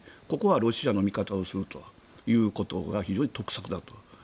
ここはロシアの味方をするということが非常に得策だと。